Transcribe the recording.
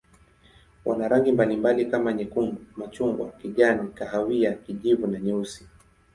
Wana rangi mbalimbali kama nyekundu, machungwa, kijani, kahawia, kijivu na nyeusi.